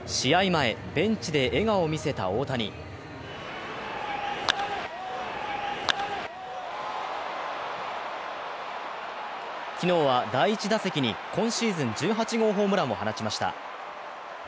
前、ベンチで笑顔を見せた大谷昨日は第１打席に今シーズン１８号ホームランを放ちました。